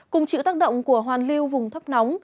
cùng chịu tác động của hoàn lưu vùng thấp nóng